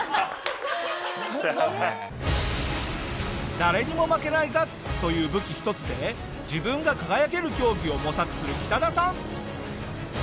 誰にも負けないガッツという武器一つで自分が輝ける競技を模索するキタダさん。